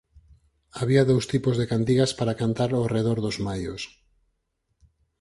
Había dous tipos de cantigas para cantar ó redor dos maios.